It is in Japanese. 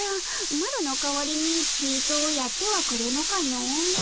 マロの代わりにちとやってはくれぬかの。